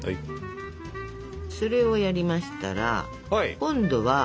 それをやりましたら今度は。